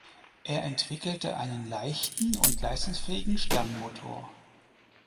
Er entwickelte einen leichten und leistungsfähigen Sternmotor.